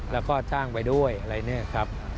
แล้วก็จ้างไปด้วยอะไรเนี่ยครับ